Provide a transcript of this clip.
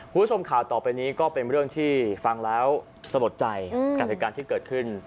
คุณผู้ชมข่าวต่อไปนี้ก็เป็นเรื่องที่ฟังแล้วสะลดใจกับเหตุการณ์ที่เกิดขึ้น